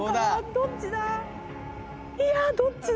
どっちだ？